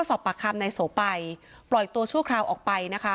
สอบปากคำนายโสไปปล่อยตัวชั่วคราวออกไปนะคะ